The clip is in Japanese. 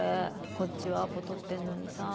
こっちはアポ取ってんのにさ。